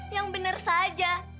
yang benar saja